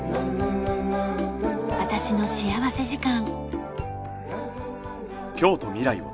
『私の幸福時間』。